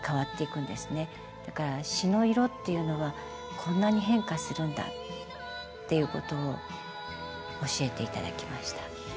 だから詞の色っていうのはこんなに変化するんだっていうことを教えて頂きました。